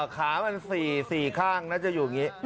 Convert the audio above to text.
ขามัน๔ข้างน่าจะอยู่อย่างนี้